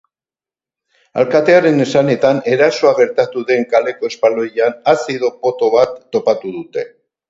Alkatearen esanetan, erasoa gertatu den kaleko espaloian azido poto bat topatu dute.